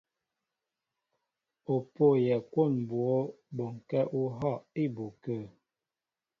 Ó pôyɛ kwón mbwǒ bɔŋkɛ̄ ú hɔ̂ á ibu kə̂.